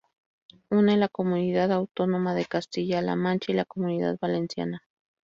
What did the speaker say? Une la comunidad autónoma de Castilla-La Mancha y la Comunidad Valenciana.